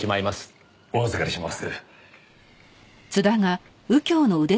お預かりします。